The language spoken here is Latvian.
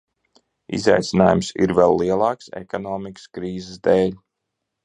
Izaicinājums ir vēl lielāks ekonomikas krīzes dēļ.